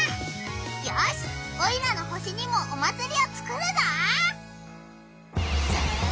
よしオイラの星にもお祭りをつくるぞ！